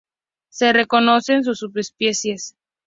Se reconocen dos subespecies:.